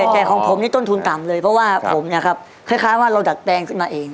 แต่ของผมนี่ต้นทุนต่ำเลยเพราะว่าผมเนี่ยครับคล้ายว่าเราดัดแปลงขึ้นมาเอง